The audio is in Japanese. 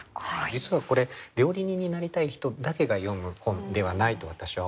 実はこれ料理人になりたい人だけが読む本ではないと私は思っていて。